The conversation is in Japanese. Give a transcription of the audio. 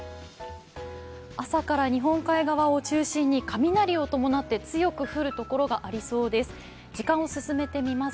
朝から日本海側を中心に、雷を伴って強く降るところがありそうです。